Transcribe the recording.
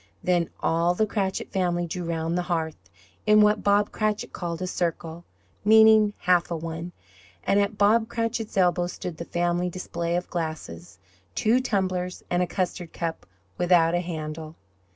Then all the Cratchit family drew round the hearth in what Bob Cratchit called a circle, meaning half a one; and at Bob Cratchit's elbow stood the family display of glass two tumblers and a custard cup without a handle.